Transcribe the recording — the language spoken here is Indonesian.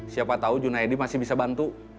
siapa tahu junaidi masih bisa bantu